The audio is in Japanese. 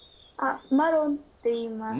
マロンっていいます。